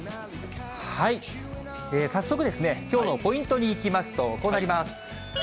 早速ですね、きょうのポイントにいきますと、こうなります。